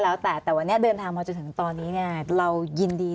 แล้วแต่แต่วันนี้เดินทางมาจนถึงตอนนี้เนี่ยเรายินดี